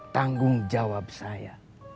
tanggung jawab saya